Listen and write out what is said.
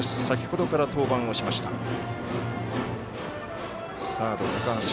先ほどから登板をしました。